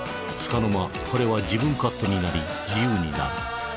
つかの間彼は自分勝手になり自由になる。